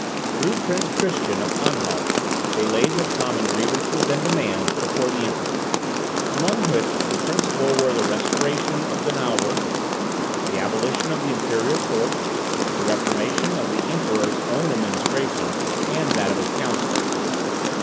Through Prince Christian of Anhalt, they laid their common grievances and demands before the Emperor; among which the principal were the restoration of Donauwerth, the abolition of the Imperial Court, the reformation of the Emperor's own administration and that of his counsellors.